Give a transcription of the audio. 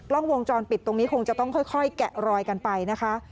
กล้องวงจรปิดตรงนี้คงจะต้องค่อยแกะรอยกันไปนะคะ